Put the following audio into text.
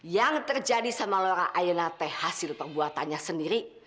yang terjadi sama laura ayanate hasil perbuatannya sendiri